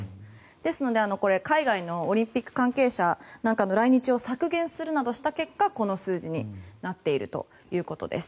ですので、海外のオリンピック関係者なんかの来日を削減するなどした結果この数字になっているということです。